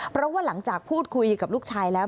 เพราะว่าหลังจากพูดคุยกับลูกชายแล้ว